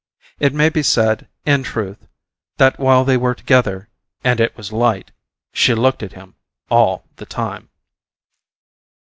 It may be said, in truth, that while they were together, and it was light, she looked at him all the time.